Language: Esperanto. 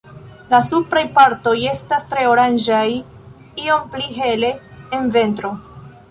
La supraj partoj estas tre oranĝaj, iom pli hele en ventro.